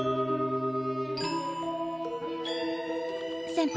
先輩